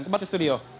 kembali ke studio